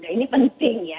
ini penting ya